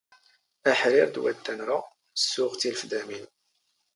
ⴰⵃⵔⵉⵔ ⴷ ⵡⴰⴷⴷⴰ ⵏⵔⴰ, ⵙⵙⵓⵖ ⵜⵉⵍⴼⴷⴰⵎⵉⵏ